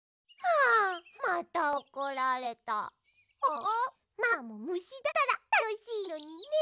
ああママもむしだったらたのしいのにね！